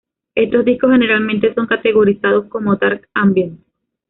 Estos discos generalmente son categorizados como dark ambient.